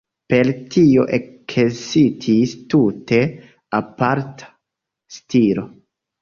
Per tio ekestis tute aparta stilo.